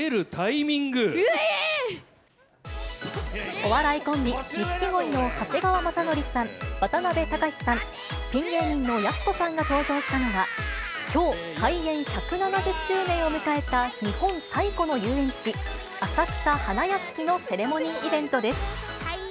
お笑いコンビ、錦鯉の長谷川雅紀さん、渡辺隆さん、ピン芸人のやす子さんが登場したのは、きょう、開園１７０周年を迎えた日本最古の遊園地、浅草花やしきのセレモニーイベントです。